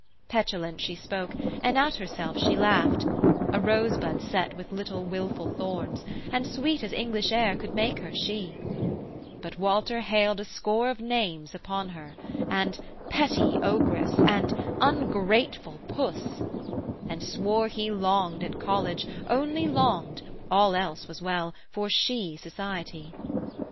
Petulant she spoke, and at herself she laughed; A rosebud set with little wilful thorns, And sweet as English air could make her, she: But Walter hailed a score of names upon her, And 'petty Ogress', and 'ungrateful Puss', And swore he longed at college, only longed, All else was well, for she society.